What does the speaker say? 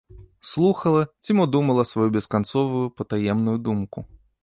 Слухала ці мо думала сваю бесканцовую патаемную думку.